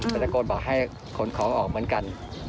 ตะโกนบอกให้ขนของออกเหมือนกัน